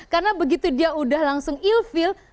karena begitu dia udah langsung ill feel